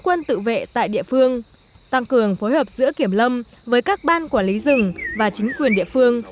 quân tự vệ tại địa phương tăng cường phối hợp giữa kiểm lâm với các ban quản lý rừng và chính quyền địa phương